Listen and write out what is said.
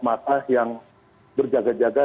mata yang berjaga jaga